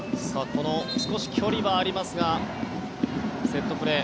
少し距離はありますがセットプレー。